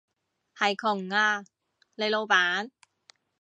係窮啊，你老闆